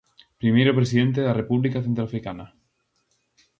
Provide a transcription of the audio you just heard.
Primeiro presidente da República Centroafricana.